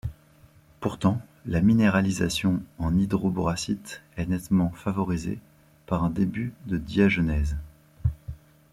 Pourtant, la minéralisation en hydroboracite est nettement favorisée par un début de diagenèse.